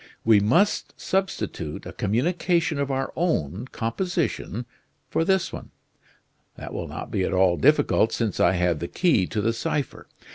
We must substitute a communication of our own composition for this one. That will not be at all difficult, since I have the key to the cipher.